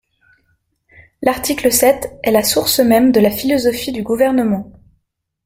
L’article sept est la source même de la philosophie du Gouvernement.